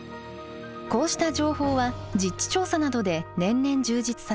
こうした情報は実地調査などで年々充実させています。